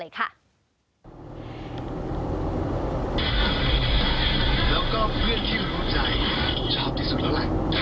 แล้วก็เพื่อนที่รู้ใจผมชอบที่สุดแล้วล่ะ